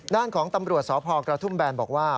ด้านของตำรวจสพกระทุ่มแบนบอกว่า